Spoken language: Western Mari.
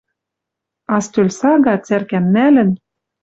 А стӧл сага, цӓркӓм нӓлӹн